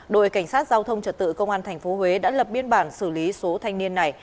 đội cảnh sát giao thông trật tự công an tp huế đã lập biên bản xử lý số thanh niên này